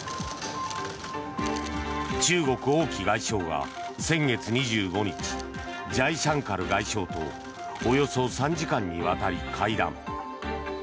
中国、王毅外相が先月２５日ジャイシャンカル外相とおよそ３時間にわたり会談。